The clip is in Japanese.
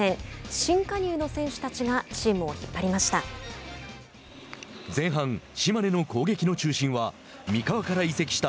新加入の選手たちがチームを引っ張りました。